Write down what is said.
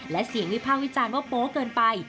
และเสียงวิพากษ์วิจารณ์ว่าโป๊เกินไป